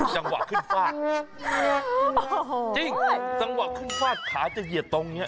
จังหวะขึ้นฟาดโอ้โหจริงจังหวะขึ้นฟาดขาจะเหยียดตรงเนี้ย